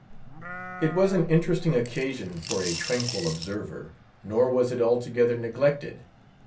It was an interesting occasion for a tranquil observer; nor was it altogether neglected.